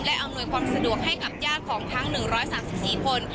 อำนวยความสะดวกให้กับญาติของทั้ง๑๓๔คน